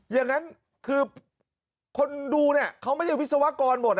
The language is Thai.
อย่างนั้นคือคนดูเนี่ยเขาไม่ใช่วิศวกรหมด